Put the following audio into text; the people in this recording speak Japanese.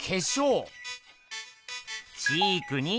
チークに。